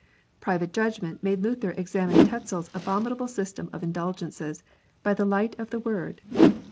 Private judgment made Luther examine Tetzel s abominable system of indulgences by the light of the Word.